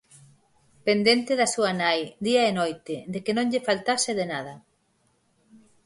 Pendente da súa nai, día e noite, de que non lle faltase de nada.